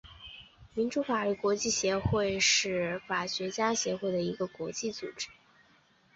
民主律师国际协会是法学家协会的一个国际组织。